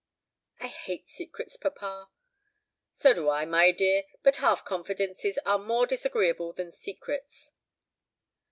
"I hate secrets, papa." "So do I, my dear; but half confidences are more disagreeable than secrets."